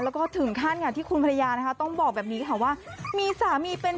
แล้วก็ถึงขั้นที่คุณภรรยานะคะต้องบอกแบบนี้ค่ะว่ามีสามีเป็น